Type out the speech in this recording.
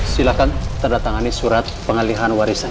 silahkan terdatang anies surat pengalihan warisan